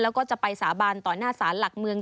แล้วก็จะไปสาบานต่อหน้าศาลหลักเมือง